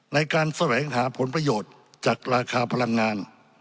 ในการแสวงหาผลประโยชน์จากราคาพลังงาน